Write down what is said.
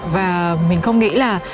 và mình không nghĩ là